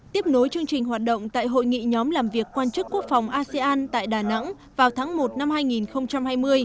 tiếp nối chương trình hoạt động tại hội nghị nhóm làm việc quan chức quốc phòng asean tại đà nẵng vào tháng một năm hai nghìn hai mươi